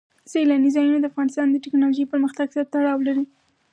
سیلانی ځایونه د افغانستان د تکنالوژۍ پرمختګ سره تړاو لري.